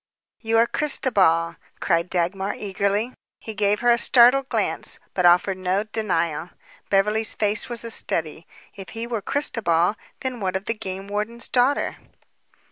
"You are Christobal," cried Dagmar eagerly. He gave her a startled glance, but offered no denial. Beverly's face was a study. If he were Christobal, then what of the game warden's daughter?